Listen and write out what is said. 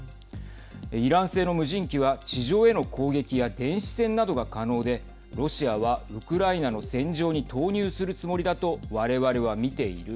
イラン製の無人機は地上への攻撃や電子戦などが可能でロシアはウクライナの戦場に投入するつもりだと我々は見ている。